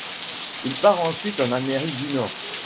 Il part ensuite en Amérique du Nord.